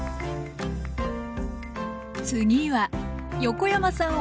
次は横山さん